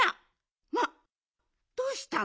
まあどうしたの？